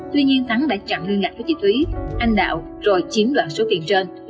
tuy nhiên thắng đã chặn liên lạc với chị thúy anh đạo rồi chiếm đoạn số tiền trên